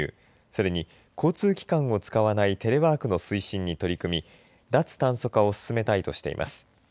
それに、交通機関を使わないテレワークの推進に取り組み脱炭素化を進めたいとしています。